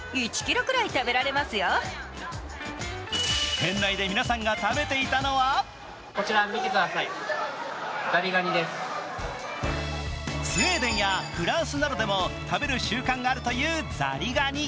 店内で皆さんが食べていたのはスウェーデンやフランスなどでも食べる習慣があるというザリガニ。